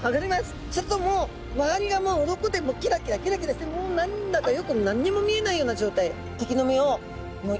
するともう周りが鱗でキラキラキラキラしてもう何だかよく何にも見えないような状態。